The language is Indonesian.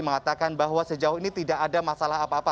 mengatakan bahwa sejauh ini tidak ada masalah apa apa